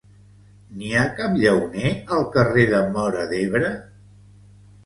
Hi ha algun lampista al carrer de Móra d'Ebre?